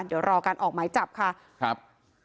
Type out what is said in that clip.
เดี๋ยวรอการออกหมายจับค่ะครับ